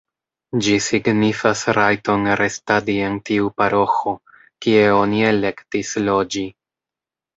Ĝi signifas rajton restadi en tiu paroĥo, kie oni elektis loĝi.